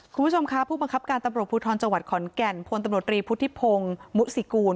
คุณผู้ชมค่ะผู้บังคับการตำรวจภูทรจังหวัดขอนแก่นพลตำรวจรีพุทธิพงศ์มุสิกูล